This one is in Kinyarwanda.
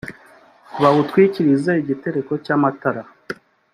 bawutwikirize igitereko cy’amatara